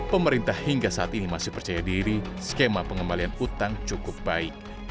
pemerintah hingga saat ini masih percaya diri skema pengembalian utang cukup baik